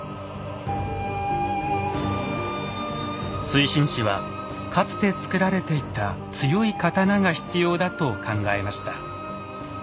水心子はかつて作られていた強い刀が必要だと考えました。